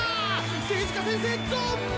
政治家先生残念！